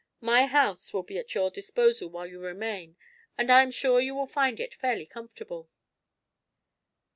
My house will be at your disposal while you remain and I am sure you will find it fairly comfortable."